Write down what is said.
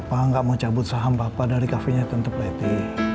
papa gak mau cabut saham papa dari kafenya tante plety